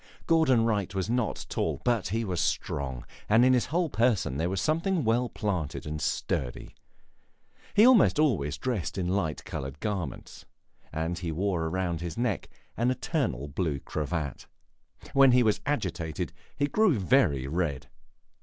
Gordon Wright was not tall, but he was strong, and in his whole person there was something well planted and sturdy. He almost always dressed in light colored garments, and he wore round his neck an eternal blue cravat. When he was agitated he grew very red.